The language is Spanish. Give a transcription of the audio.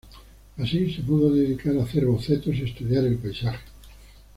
Así, se pudo dedicar a hacer bocetos y estudiar el paisaje.